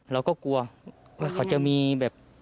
เราก็กลัวว่าเขาจะมีแบบ